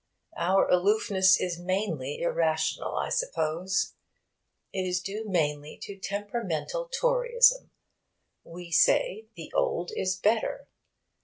Our aloofness is mainly irrational, I suppose. It is due mainly to temperamental Toryism. We say 'The old is better.'